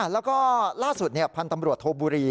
แล้วก็ล่าสุดพันธ์ตำรวจโทบุรี